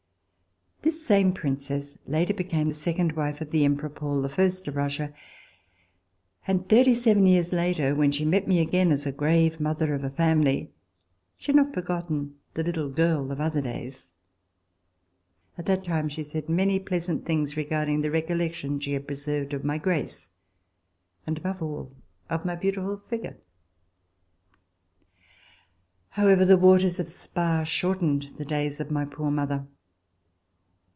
This same princess later became the second wife of the Emperor Paul the First of Russia, and thirty seven years later, when she met me again as a grave mother of a family, she had not forgotten the little girl of other days. At that time she said many pleasant things regarding the recollections which she had preserved of my grace and, above all, of my beautiful figure. However, the waters of Spa shortened the days of my poor mother.